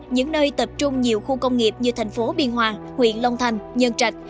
những nơi tập trung nhiều khu công nghiệp như thành phố biên hòa huyện long thành nhân trạch